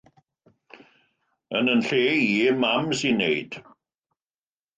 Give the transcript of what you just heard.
Yn fy lle i, Mam sy'n gwneud.